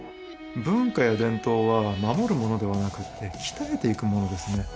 文化や伝統は守るものではなくって鍛えていくものですね